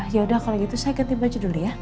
yaudah kalau gitu saya ganti baju dulu ya